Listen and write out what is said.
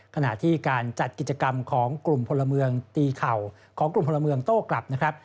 ขณะที่การจัดกิจกรรมของกลุ่มพลเมืองตีเข่าของกลุ่มพลเมืองโต้กลับนะครับ